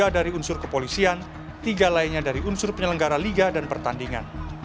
tiga dari unsur kepolisian tiga lainnya dari unsur penyelenggara liga dan pertandingan